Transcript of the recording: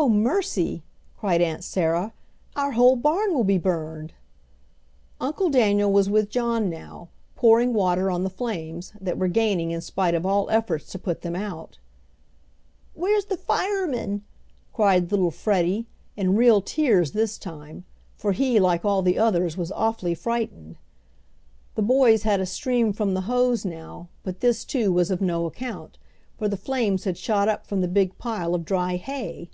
"Oh, mercy!" cried Aunt Sarah. "Our whole barn will be burned." Uncle Daniel was with John now, pouring water on the flames, that were gaining in spite of all efforts to put them out. "Where's the firemen!" cried little Freddie, in real tears this time, for he, like all the others, was awfully frightened. The boys had a stream from the hose now, but this too was of no account, for the flames had shot up from the big pile of dry hay!